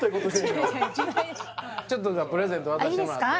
ちょっとじゃプレゼント渡してもらっていいですか？